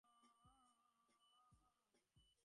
Neymar ball সামনে বাড়াতে পারলো না।